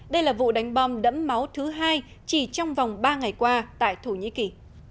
đây là vụ đánh bom đẫm máu thứ hai chỉ trong vòng ba ngày qua tại thổ nhĩ kỳ